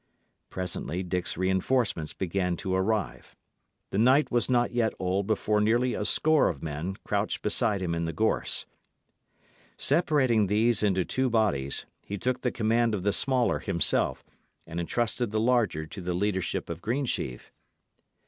Presently Dick's reinforcements began to arrive. The night was not yet old before nearly a score of men crouched beside him in the gorse. Separating these into two bodies, he took the command of the smaller himself, and entrusted the larger to the leadership of Greensheve.